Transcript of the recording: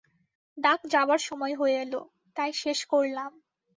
ডাক যাবার সময় হয়ে এল, তাই শেষ করলাম।